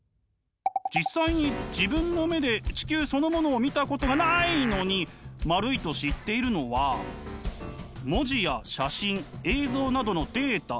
実際に自分の目で地球そのものを見たことがないのに丸いと知っているのは文字や写真映像などのデータ